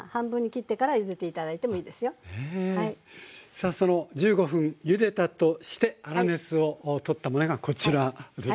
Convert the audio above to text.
さあその１５分ゆでたとして粗熱を取ったものがこちらですね。